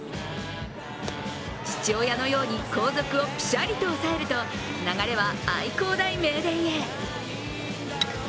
父親のように後続をぴしゃりと抑えると流れは愛工大名電へ。